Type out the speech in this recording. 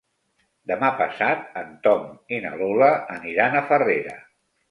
Demà passat en Tom i na Lola aniran a Farrera.